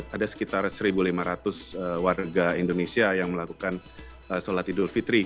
ada sekitar satu lima ratus warga indonesia yang melakukan sholat idul fitri